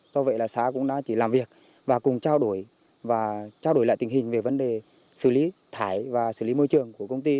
do vậy là xã cũng đã chỉ làm việc và cùng trao đổi và trao đổi lại tình hình về vấn đề xử lý thải và xử lý môi trường của công ty